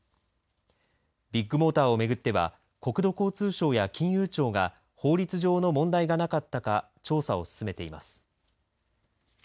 ビッグモーターを巡っては国土交通省や金融庁が法律上の問題がなかったか調査を進めています。